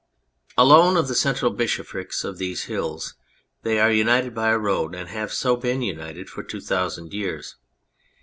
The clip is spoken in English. Alone of the central bishoprics of these hills they are united by a road, and have so been united for two thousand years.